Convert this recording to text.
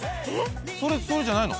それそれじゃないの？